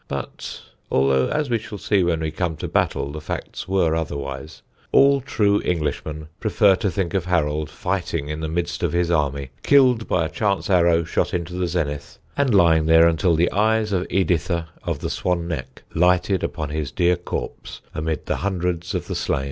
But (although, as we shall see when we come to Battle, the facts were otherwise) all true Englishmen prefer to think of Harold fighting in the midst of his army, killed by a chance arrow shot into the zenith, and lying there until the eyes of Editha of the Swan neck lighted upon his dear corpse amid the hundreds of the slain.